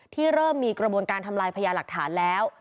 เริ่มมีกระบวนการทำลายพญาหลักฐานแล้ว